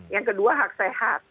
yang kedua hak sehat